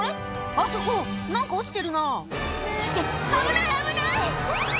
あそこ何か落ちてるな」って危ない危ない！